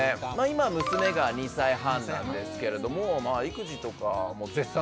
今娘が２歳半なんですけれども育児とか絶賛ね